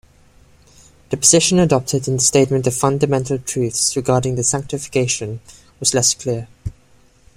The position adopted in the Statement of Fundamental Truths regarding sanctification was less clear.